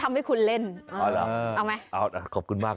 ก็มีเวลาอยู่นะคุณฉนะ